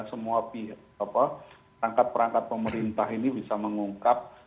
semua perangkat perangkat pemerintah ini bisa mengungkap